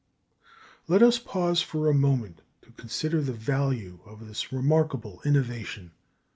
Let us pause for a moment to consider the value of this remarkable innovation.